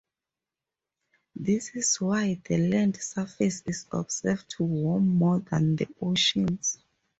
This is why the land surface is observed to warm more than the oceans.